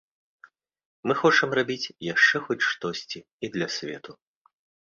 Мы хочам рабіць яшчэ хоць штосьці і для свету.